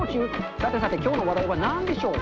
さてさてきょうの話題は何でしょう？